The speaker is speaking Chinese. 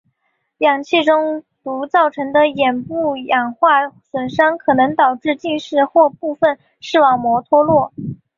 氧气中毒造成的眼部氧化损伤可能导致近视或部分视网膜脱落。